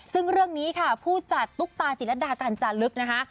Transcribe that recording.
ซึ่งเรื่องนี้ค่ะผู้จัดตุ๊กตาจิตรดากัญจาลึกนะคะ